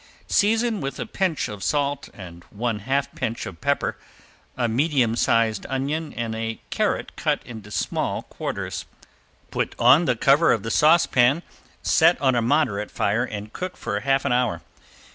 Season with a pinch of salt and one half pinch of pepper, a medium sized onion and a carrot cut into small quarters. Put on the cover of the saucepan, set on a moderate fire and cook for half an hour.